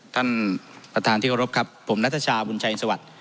ท่านประธานที่เคารพครับผมนัทชาบุญชัยสวัสดิ์